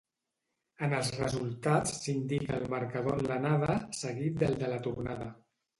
En els resultats s'indica el marcador en l'anada, seguit del de la tornada.